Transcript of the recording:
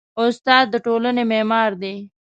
استاد د ټولنې معمار دی.